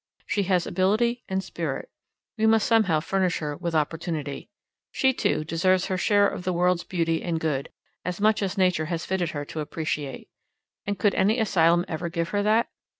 She has ability and spirit. We must somehow furnish her with opportunity. She, too, deserves her share of the world's beauty and good as much as nature has fitted her to appreciate. And could any asylum ever give her that?